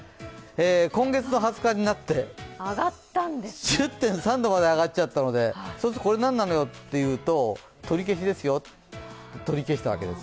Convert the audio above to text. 今月の２０日になって、１０．３度まで上がっちゃったのでこれ何なのよというと、取り消しですよと、取り消したわけです。